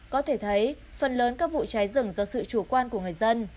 có thể thấy phần lớn các vụ cháy rừng do sự chủ quan của người dân